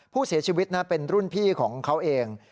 ผู้เสียชีวิตเป็นรุ่นพี่ของเขาเอง